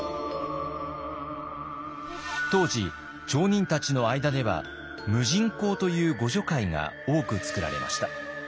当時町人たちの間では無尽講という互助会が多く作られました。